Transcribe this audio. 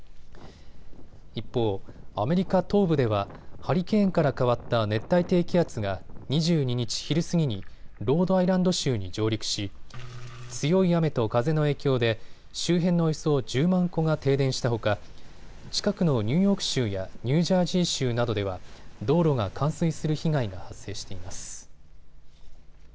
一方、アメリカ東部ではハリケーンから変わった熱帯低気圧が２２日昼過ぎにロードアイランド州に上陸し強い雨と風の影響で周辺のおよそ１０万戸が停電したほか近くのニューヨーク州やニュージャージー州などでは道路が冠水する被害が発生しています。